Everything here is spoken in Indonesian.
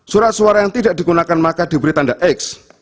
surat suara yang tidak digunakan maka diberi tanda x